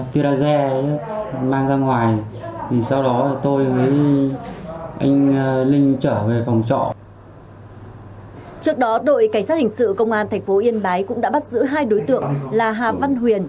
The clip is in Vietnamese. trước đó đội cảnh sát hình sự công an tp yên bái cũng đã bắt giữ hai đối tượng là hà văn huyền